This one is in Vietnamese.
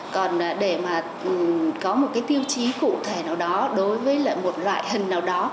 còn để mà có một cái tiêu chí cụ thể nào đó đối với một loại hình nào đó